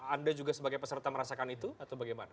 anda juga sebagai peserta merasakan itu atau bagaimana